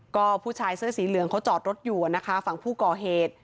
ก็ผู้ชายเสื้อสีเหลืองเขาจอดรถอยู่นะคะฝั่งผู้ก่อเหตุ